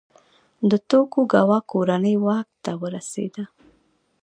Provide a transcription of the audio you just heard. د توکوګاوا کورنۍ واک ته ورسېده.